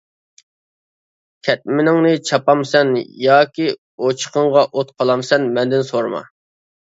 كەتمىنىڭنى چاپامسەن ياكى ئوچىقىڭغا ئوت قالامسەن مەندىن سورىما.